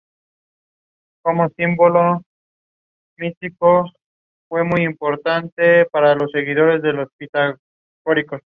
La sede de la parroquia es St.